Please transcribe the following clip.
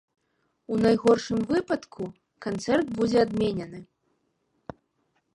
У найгоршым выпадку канцэрт будзе адменены.